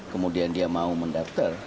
kemudian dia mau mendaftar